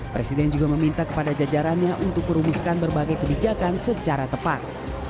presiden juga meminta kepada jajarannya untuk merumuskan berbagai kebijakan secara tepat